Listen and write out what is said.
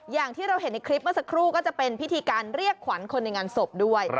อย่างที่เราเห็นในคลิปเมื่อสักครู่ก็จะเป็นพิธีการเรียกขวัญคนในงานศพด้วย